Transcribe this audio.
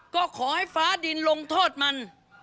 ก็ขอให้ฟ้าดินลงโทษมัน